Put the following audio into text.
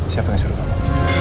siapa yang suruh kamu